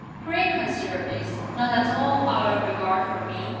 Pray consider this not at all out of regard for Me!